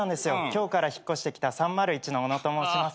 今日から引っ越してきた３０１のオノと申します。